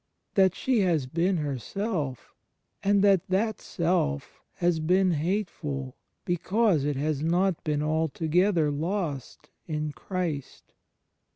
. that she has been herself ^ and that that self has been hateful because it has not been altogether lost in Christ.